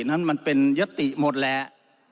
นั้นมันเป็นยติหมดแหละ